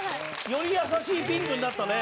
より優しいピンクになったね。